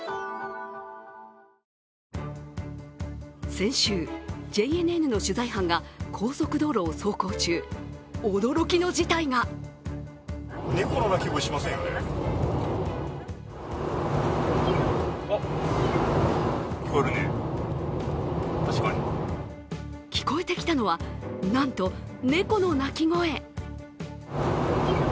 先週、ＪＮＮの取材班が高速道路を走行中驚きの事態が聞こえてきたのはなんと猫の鳴き声。